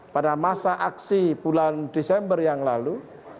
pada masa aksi bulan desember yang lalu